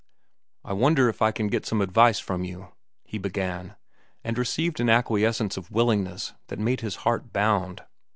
"I wonder if I can get some advice from you," he began, and received an acquiescence of willingness that made his heart bound.